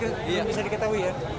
belum bisa diketahui ya